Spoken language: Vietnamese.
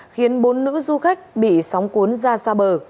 khiến bốn nữ du khách bị sóng cuốn ra xa bờ